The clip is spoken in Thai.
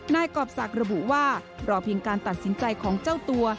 กรอบศักดิ์ระบุว่ารอเพียงการตัดสินใจของเจ้าตัว